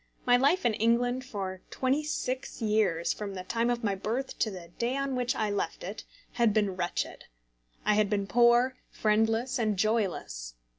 My life in England for twenty six years from the time of my birth to the day on which I left it, had been wretched. I had been poor, friendless, and joyless.